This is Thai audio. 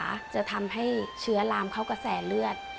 อาจจะทำให้เชื้อลามเข้ากระแสเลือด